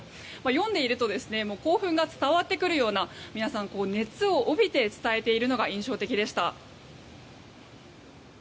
読んでいると興奮が伝わってくるような皆さん熱を帯びて伝えているのが印象的でした。